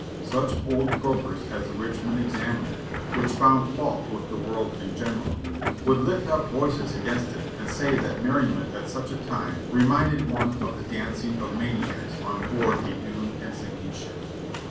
Such old croakers as the Ridiuiond E.vamincr, which found fault with the world in general, would lift up voices against it and say that merriment at such a time reminded one of the dancing of maniacs on board a doomed and sinking ship.